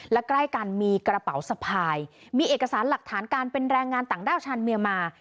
และใกล้กันมีกระเป๋าสะพายมีเอกสารหลักฐานการเป็นแรงงานต่างด้าวชาวเมียนมา